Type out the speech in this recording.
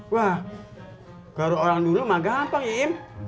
wah kalau orang dulu mah gampang ya im